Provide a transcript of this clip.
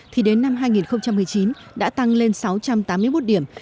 thì đến năm hai nghìn một mươi chín đã tăng lên sáu trăm tám mươi một điểm